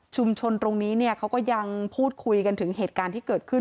ตรงนี้เนี่ยเขาก็ยังพูดคุยกันถึงเหตุการณ์ที่เกิดขึ้น